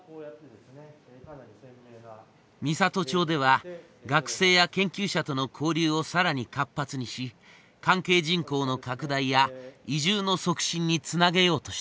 美郷町では学生や研究者との交流を更に活発にし関係人口の拡大や移住の促進につなげようとしている。